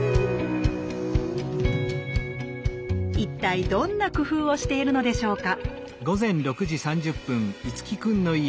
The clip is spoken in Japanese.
一体どんな工夫をしているのでしょうか？